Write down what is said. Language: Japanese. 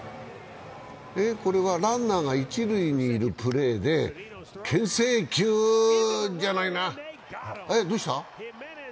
これはランナーが一塁にいるプレーでけん制球じゃないな、あ、どうした？